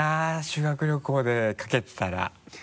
修学旅行でかけてたら。